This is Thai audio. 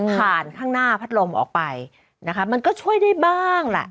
ข้างหน้าพัดลมออกไปนะคะมันก็ช่วยได้บ้างแหละ